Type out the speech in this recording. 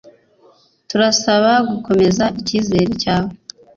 Turasaba gukomeza icyizere cyawe